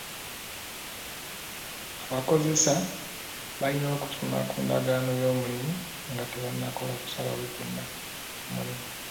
Abakozesa balina okutunula ku ndagaano y'omulimu nga tebannakola kusalawo kwonna ku mulimu.